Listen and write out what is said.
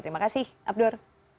terima kasih abdur